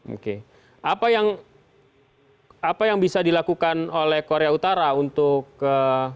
oke apa yang bisa dilakukan oleh korea utara untuk